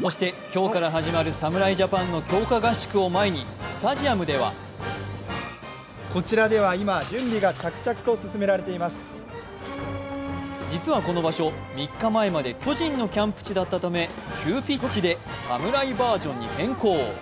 そして今日から始まる侍ジャパンの強化合宿を前にスタジアムでは実はこの場所、３日前まで巨人のキャンプ地だったため急ピッチで侍バージョンに変更。